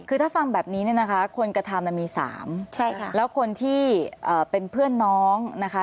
คือถ้าฟังแบบนี้เนี่ยนะคะคนกระทำมี๓แล้วคนที่เป็นเพื่อนน้องนะคะ